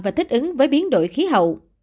và thích ứng với biến đổi khí hậu